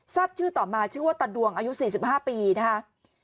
ทราบชื่อต่อมาชื่อว่าตาดวงอายุ๔๕ปีนะคะ